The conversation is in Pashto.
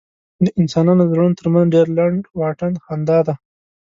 د انسانانو د زړونو تر منځ ډېر لنډ واټن خندا ده.